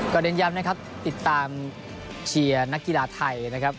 เน้นย้ำนะครับติดตามเชียร์นักกีฬาไทยนะครับ